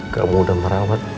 kamu udah merawat